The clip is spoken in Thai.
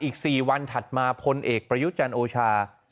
อีก๔วันถัดมาพลเอกประยุจันทร์โอชา